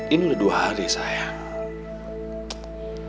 ini udah dua hari sayang